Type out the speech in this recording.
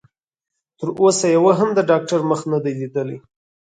تر اوسه يوه هم د ډاکټر مخ نه دی ليدلی.